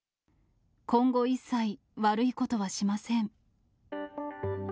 今後一切、悪いことはしません。